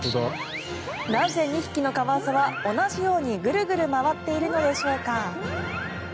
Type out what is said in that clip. なぜ２匹のカワウソは同じようにぐるぐる回っているのでしょうか。